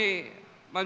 berjalan kaki dua km